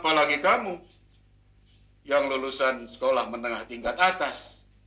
apalagi kamu yang lulusan sekolah menengah tingkat atas